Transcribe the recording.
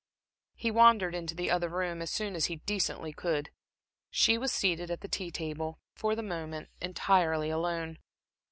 He wandered into the other room as soon as he decently could. She was seated at the tea table, for the moment, entirely alone.